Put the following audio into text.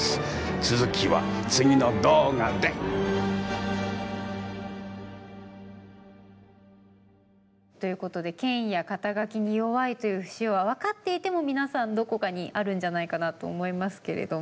続きは次の動画で！ということで権威や肩書きに弱いという節は分かっていても皆さんどこかにあるんじゃないかなと思いますけれども。